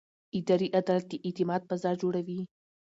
اداري عدالت د اعتماد فضا جوړوي.